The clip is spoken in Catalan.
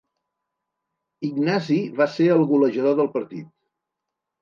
Ignasi va ser el golejador del partit.